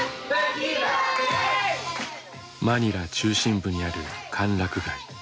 マニラ中心部にある歓楽街。